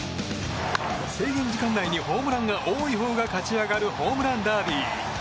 制限時間内にホームランが多いほうが勝ち上がるホームランダービー。